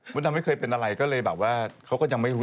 ดำไม่เคยเป็นอะไรก็เลยแบบว่าเขาก็ยังไม่รู้